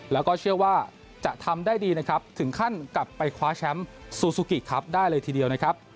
แล้วก็เชื่อว่าจะทำได้ดีนะครับถึงขั้นกลับไปคว้าแชมป์ซูซูกิครับได้เลยทีเดียวนะครับ